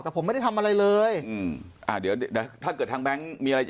แต่ผมไม่ได้ทำอะไรเลยอืมอ่าเดี๋ยวเดี๋ยวถ้าเกิดทางแบงค์มีอะไร